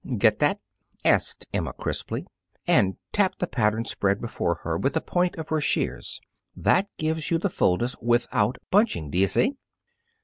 "Get that?" asked Emma crisply, and tapped the pattern spread before her with the point of her shears. "That gives you the fulness without bunching, d'you see?"